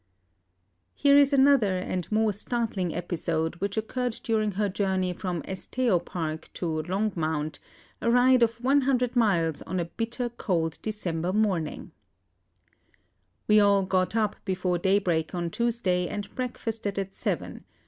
Here is another and more startling episode, which occurred during her journey from Esteo "Park" to Longmount, a ride of 100 miles on a bitter cold December morning: "We all got up before daybreak on Tuesday, and breakfasted at seven....